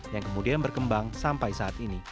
yang kemudian berkembang sampai saat ini